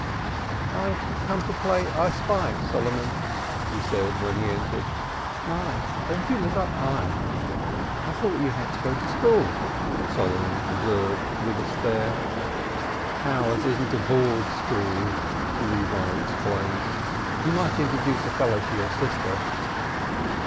"I've come to play I spy I, Solomon," he said when he entered "My, don't you live high up!" "I thought you had to go to school," Solomon observed with a stare. "Ours isn't a board school," Levi explained. "You might introduce a fellow to your sister."